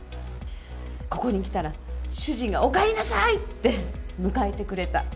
ここに来たら主人がおかえりなさい！って迎えてくれた。